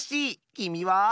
きみは？